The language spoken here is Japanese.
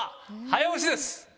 早押しです。